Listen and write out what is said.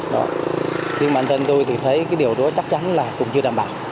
nhưng bản thân tôi thấy điều đó chắc chắn là cũng chưa đảm bảo